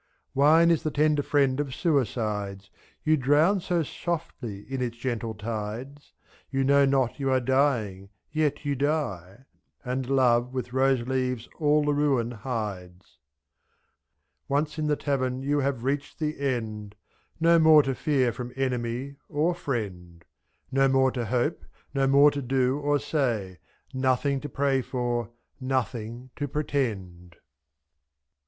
Wine is the tender friend of suicides. You drown so softly in its gentle tides ; Z^.You know not you are dying, yet you die; And love with rose leaves all the ruin hides. Once in the tavern you have reached the end. No more to fear from enemy — or friend; ZJ^, No more to hope, no more to do or say. Nothing to pray for — nothing to pretend.